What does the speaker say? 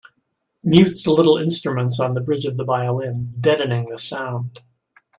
Mutes little instruments on the bridge of the violin, deadening the sound.